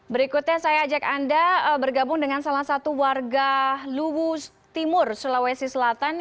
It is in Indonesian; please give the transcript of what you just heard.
berikutnya saya ajak anda bergabung dengan salah satu warga luwu timur sulawesi selatan